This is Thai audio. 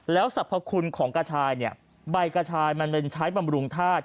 แล้วสรรพคุณของกระชายเนี่ยใบกระชายมันเป็นใช้บำรุงธาตุ